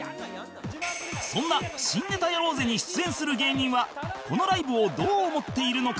そんな「新ネタやろうぜ！」に出演する芸人はこのライブをどう思っているのか？